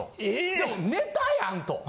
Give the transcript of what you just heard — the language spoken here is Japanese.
でもネタやんと。